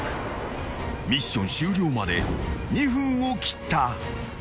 ［ミッション終了まで２分を切った］